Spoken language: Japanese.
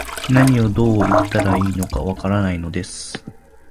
何を、どう言ったらいいのか、わからないのです